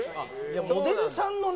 モデルさんのね